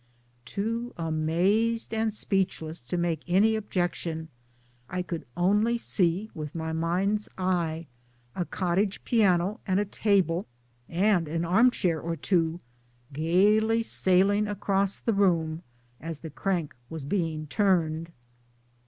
" Too amazed and speechless to make any objec tion, I co'uld only see with my mind's eye, a cottage piano and a table and an armchair or two gaily sail ing across the room, as the crank was being turned.